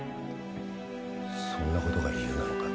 そんな事が理由なのか？